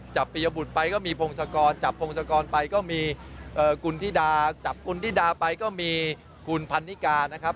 ปียบุตรไปก็มีพงศกรจับพงศกรไปก็มีคุณธิดาจับคุณธิดาไปก็มีคุณพันนิกานะครับ